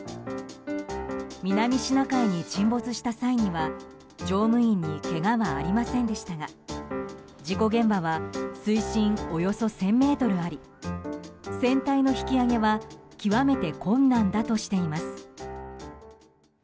南シナ海に沈没した際には乗務員にけがはありませんでしたが事故現場は水深およそ１０００ｍあり船体の引き揚げは極めて困難だとしています。